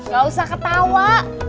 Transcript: gak usah ketawa